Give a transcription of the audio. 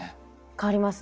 変わりますね。